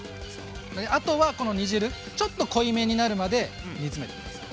あとはこの煮汁ちょっと濃いめになるまで煮詰めて下さい。